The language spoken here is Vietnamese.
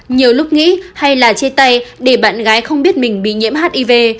nhiều lúc nghĩ hay là chia tay để bạn gái không biết mình bị nhiễm hiv